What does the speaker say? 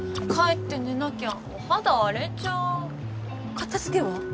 片付けは？